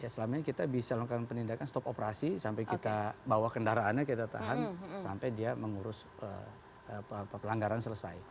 selama ini kita bisa lakukan penindakan stop operasi sampai kita bawa kendaraannya kita tahan sampai dia mengurus pelanggaran selesai